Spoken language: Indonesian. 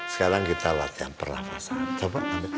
sekarang kita latihan pernafasan